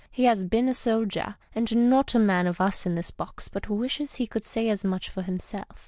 He has been a soldier, and not a man of us in this box but wishes he could say as much for himself.